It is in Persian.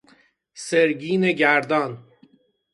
سرگین گردان